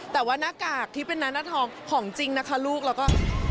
แต่ว่าหน้ากากที่เป็นหน้าทองของจริงนะคะลูกแล้วก็